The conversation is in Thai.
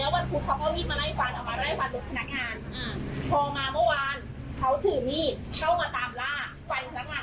ว่าถ้าเขาจะมาแบบนี้ทุกวันแล้วก็จะมาแบบนี้ทุกวัน